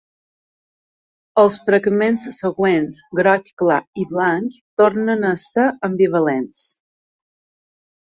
Els fragments següents groc clar i blanc tornen a ser ambivalents.